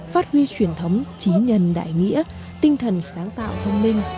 phát huy truyền thống trí nhân đại nghĩa tinh thần sáng tạo thông minh